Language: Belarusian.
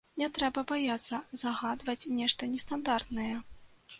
Не трэба баяцца загадваць нешта нестандартнае.